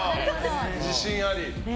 自信あり。